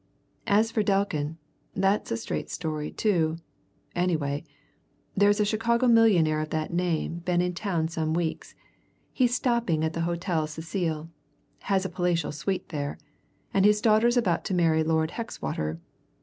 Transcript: As for Delkin, that's a straight story, too anyway, there's a Chicago millionaire of that name been in town some weeks he's stopping at the Hotel Cecil has a palatial suite there and his daughter's about to marry Lord Hexwater.